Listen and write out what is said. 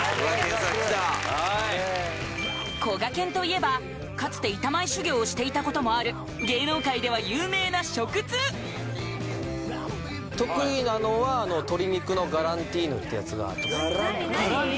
きたこがけんといえばかつて板前修業をしていたこともある芸能界では有名な食通得意なのは鶏肉のガランティーヌってやつがガランティーヌ？